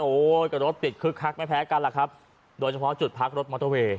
โอ้โหก็รถติดคึกคักไม่แพ้กันล่ะครับโดยเฉพาะจุดพักรถมอเตอร์เวย์